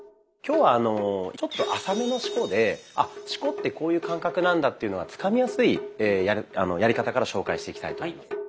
今日はちょっと浅めの四股で「あ四股ってこういう感覚なんだ」っていうのがつかみやすいやり方から紹介していきたいと思います。